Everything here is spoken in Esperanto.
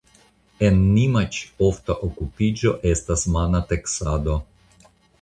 En Nimaĉ ofta okupiĝo estas mana teksado.